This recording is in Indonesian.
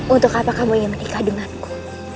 untuk apa kamu ingin menikah denganku